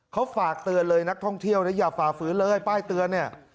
เขาฝากเตือนเลยนักท่องเที่ยวนะอย่าฝ่าฝืนเลยป้ายเตือนเนี่ย